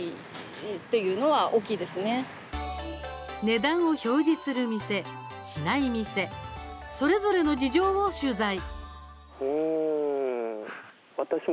値段を表示する店、表示しない店それぞれの事情を取材。